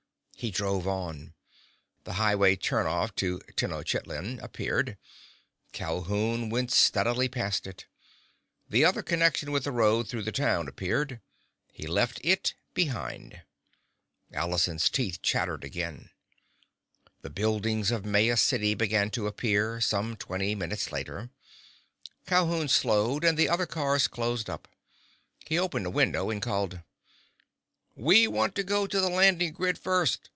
He drove on. The highway turnoff to Tenochitlan appeared. Calhoun went steadily past it. The other connection with the road through the town appeared. He left it behind. Allison's teeth chattered again. The buildings of Maya City began to appear, some twenty minutes later. Calhoun slowed and the other cars closed up. He opened a window and called: "We want to go to the landing grid first.